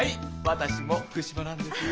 私も福島なんです。